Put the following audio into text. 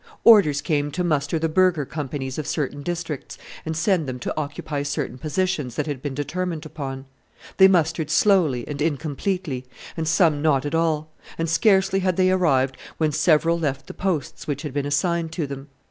Orders came to muster the burgher companies of certain districts, and send them to occupy certain positions that had been determined upon. They mustered slowly and incompletely, and some not at all; and scarcely had they arrived when several left the posts which had been assigned to them.